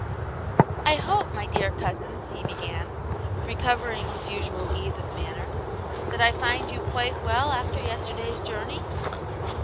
I hope, my dear cousins^' he began, recovering his usual ease of manner, that I find you quite well after yesterday's journey